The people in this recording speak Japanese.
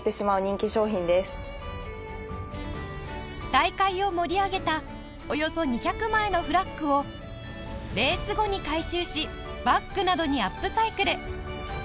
大会を盛り上げたおよそ２００枚のフラッグをレース後に回収しバッグなどにアップサイクル